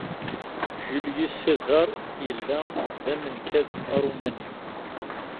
Julius Caesar yella d amenkad arumani.